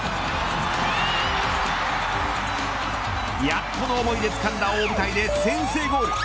やっとの思いでつかんだ大舞台で先制ゴール。